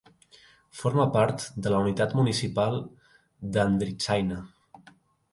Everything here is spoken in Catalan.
Forma part de la unitat municipal d'Andritsaina.